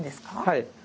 はい。